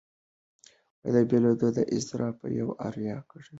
دا بېلېدو اضطراب یوه اروایي ګډوډي ده.